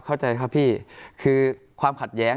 เข้าใจครับพี่คือความขัดแย้ง